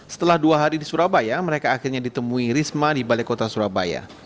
setelah dua hari di surabaya mereka akhirnya ditemui risma di balai kota surabaya